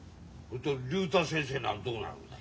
竜太先生はどうなるんだ。